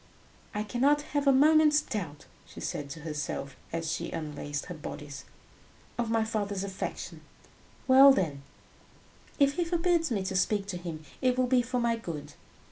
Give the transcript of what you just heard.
"I cannot have a moment's doubt," she said to herself, as she unlaced her bodice, "of my father's affection. Well, then, if he forbids me to speak to him, it will be for my good.